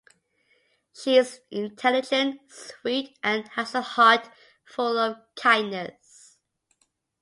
She is intelligent, sweet, and has a heart full of kindness.